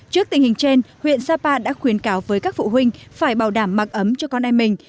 trước tình hình trên huyện sapa đã khuyến cáo với các phụ huynh phải bảo đảm mặc ấm cho con em mình